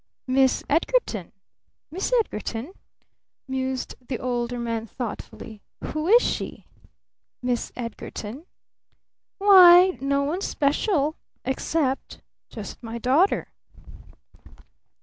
"Miss Edgarton? Miss Edgarton?" mused the Older Man thoughtfully. "Who is she? Miss Edgarton? Why no one special except just my daughter."